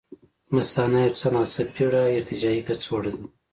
مثانه یو څه ناڅه پېړه ارتجاعي کڅوړه ده.